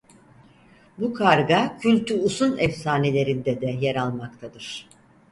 Bu karga kültü Usun efsanelerinde de yer almaktadır.